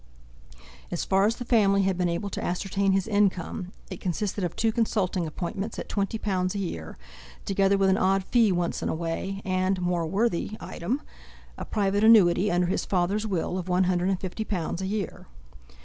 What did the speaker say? As far as the family had been able to ascertain his income, it consisted of two consulting appointments at twenty pounds a year, together with an odd fee once in a way, and—more worthy item—a private annuity under his father's will of one hundred and fifty pounds a year.